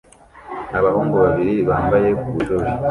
Abahungu babiri bambaye ku ishuri